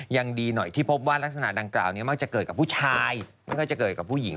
ยังดีหน่อยที่พบว่ารักษณะดังกล่าวนี้มักจะเกิดกับผู้ชายไม่ค่อยจะเกิดกับผู้หญิง